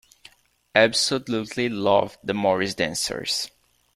Absolutely loved the Morris dancers!